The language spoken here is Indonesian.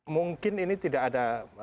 mungkin ini tidak ada